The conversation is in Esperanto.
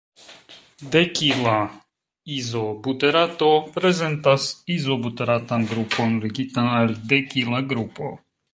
Dekila izobuterato prezentas izobuteratan grupon ligitan al dekila grupo.